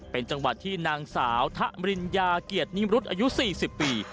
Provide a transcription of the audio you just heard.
เป็นจังหวัดที่นางสาวทะมริญญาเกียรตินิมรุษอายุ๔๐ปี